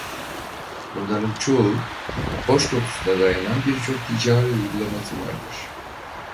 Bunların çoğu hoş kokusuna dayanan birçok ticari uygulaması vardır.